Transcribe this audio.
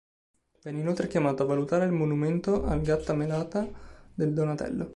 Venne inoltre chiamato a valutare il monumento al Gattamelata del Donatello.